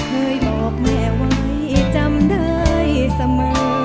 เคยบอกแม่ไว้จำได้เสมอ